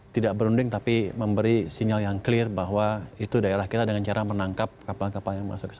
tidak berunding tapi memberi sinyal yang clear bahwa itu daerah kita dengan cara menangkap kapal